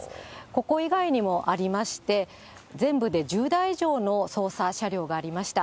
ここ以外にもありまして、全部で１０台以上の捜査車両がありました。